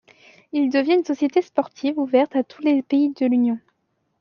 Il devient une société sportive ouverte à tous les pays de l'Union.